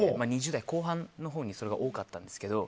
２０代後半にそれが多かったんですけど。